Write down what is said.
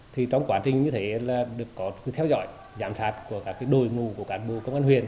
thì trong quá trình như thế là được có theo dõi giảm sát của các đồi ngủ của cản bộ công an huyền